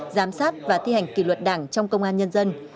giám sát và thi hành kỷ luật đảng trong công an nhân dân